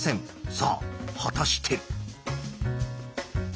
さあ果たして。